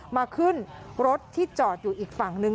มาขึ้นรถที่จอดอยู่อีกฝั่งนึง